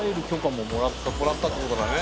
もらったってことだね。